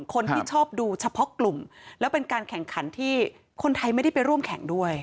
คนที่ชอบดูเฉพาะกลุ่มแล้วเป็นการแข่งขันที่คนไทยไม่ได้ไปร่วมแข่งด้วย